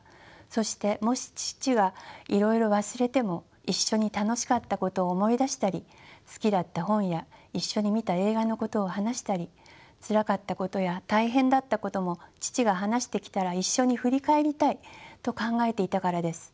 そしてもし父はいろいろ忘れても一緒に楽しかったことを思い出したり好きだった本や一緒に見た映画のことを話したりつらかったことや大変だったことも父が話してきたら一緒に振り返りたいと考えていたからです。